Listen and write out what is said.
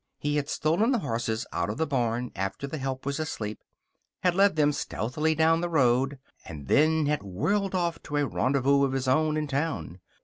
He had stolen the horses out of the barn after the help was asleep, had led them stealthily down the road, and then had whirled off to a rendezvous of his own in town.